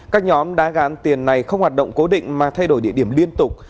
các nhóm đá gãn tiền này không hoạt động cố định mà thay đổi địa điểm liên tục